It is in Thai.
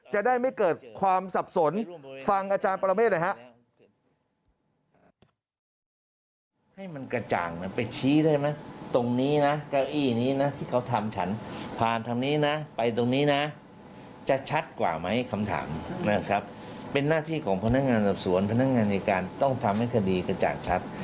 จะได้ไม่เกิดความสับสนฟังอาจารย์ปรเมฆหน่อยฮะ